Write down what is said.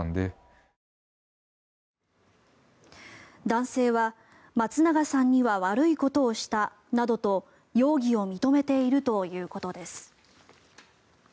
男性は、松永さんには悪いことをしたなどと容疑を認めているということです。